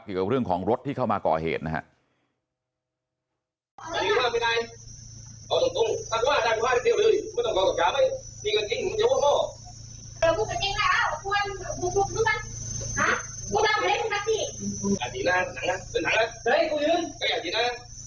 เกี่ยวกับเรื่องของรถที่เข้ามาก่อเหตุนะครับ